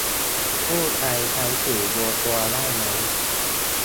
ผู้ใช้ใช้สื่อรวมตัวได้ไหม